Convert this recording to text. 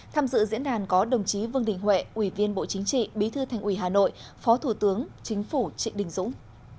tham dự diễn đàn có đồng chí vương đình huệ ủy viên bộ chính trị bí thư thành ủy hà nội phó thủ tướng chính phủ trị đình dũng